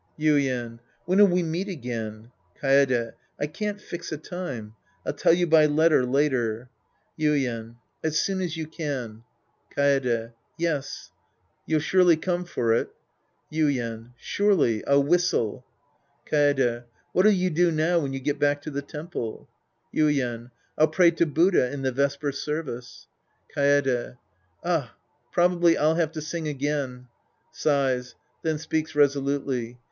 Yuien. When'll we meet again ? Kaede. I can't fix a time. I'll tell you by letter later. Yuien. As soon as you can. Sc. 11 The Priest and His Disciples 153 Kaede, Yes. You'll surely come for it ? YuUn. Surely. I'll whistle. Kaede. What'll you do now when you get back to the temple ? Yuien. I'll pray to Buddha in the vesper service. Kaede. Ah. Probably I'll have to sing again. {Sighs. Then speaks resolutely.)